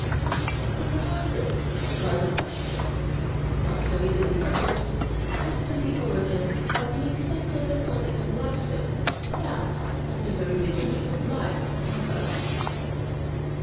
But behind this lies a question, not so easily settled, as to the origin of the extensive deposits of limestone found at the very beginning of life upon earth.